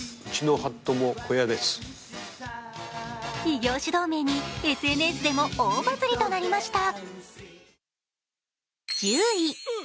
異業種同盟に、ＳＮＳでも大バズりとなりました。